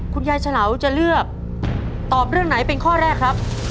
คุณยายเฉลาจะเลือกตอบเรื่องไหนเป็นข้อแรกครับ